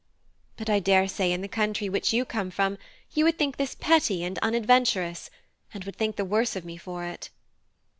But I daresay in the country which you come from, you would think this petty and unadventurous, and would think the worse of me for it."